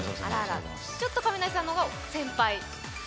ちょっと亀梨さんの方が先輩？